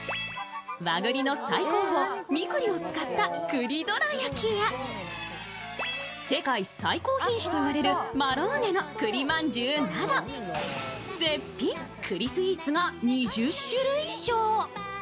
和栗の最高峰・美玖里を使った栗どら焼きや世界最高品種といわれるマローネの栗まんじゅうなど、絶品栗スイーツが２０種類以上。